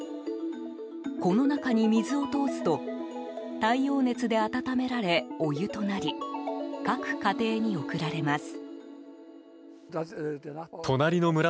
この中に水を通すと太陽熱で温められお湯となり各家庭に送られます。